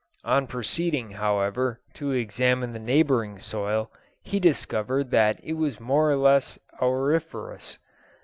On proceeding, however, to examine the neighbouring soil, he discovered that it was more or less auriferous.